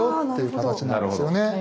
形になるんですよね。